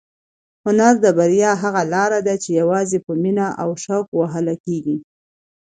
هنر د بریا هغه لاره ده چې یوازې په مینه او شوق وهل کېږي.